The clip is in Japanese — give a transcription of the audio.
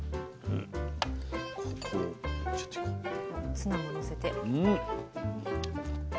ツナものせて。